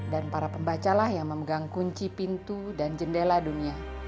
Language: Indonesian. dan para pembacalah yang memegang kunci pintu dan jendela dunia